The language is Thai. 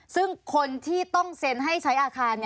ซึ่งคนที่ต้องเซ็นให้ใช้อาคาร